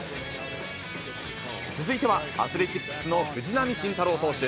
続いては、アスレチックスの藤浪晋太郎投手。